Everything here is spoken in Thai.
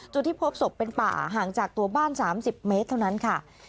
จุดที่พบศพเป็นป่าห่างจากตัวบ้าน๓๐เมตรเท่านั้นค่ะ